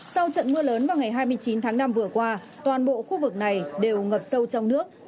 sau trận mưa lớn vào ngày hai mươi chín tháng năm vừa qua toàn bộ khu vực này đều ngập sâu trong nước